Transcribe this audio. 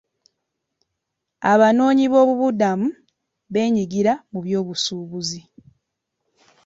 Abanoonyiboobubudamu beenyigira mu byobusuubuzi.